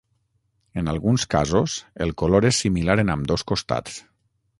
En alguns casos el color és similar en ambdós costats.